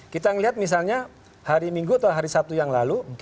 kita melihat misalnya hari minggu atau hari sabtu yang lalu